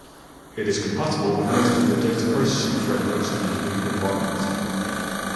It is compatible with most of the data processing frameworks in the Hadoop environment.